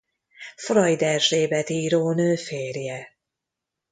Freud Erzsébet írónő férje.